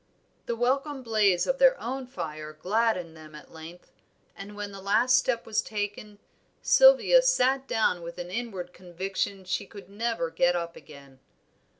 The welcome blaze of their own fire gladdened them at length, and when the last step was taken, Sylvia sat down with an inward conviction she never could get up again.